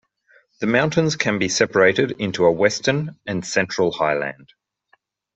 The mountains can be separated into a western and central highland.